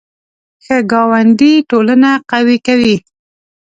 ښه ګاونډي ټولنه قوي کوي